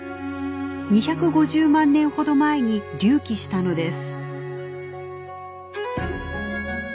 ２５０万年ほど前に隆起したのです。